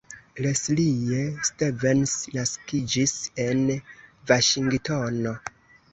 Leslie Stevens naskiĝis en Vaŝingtono.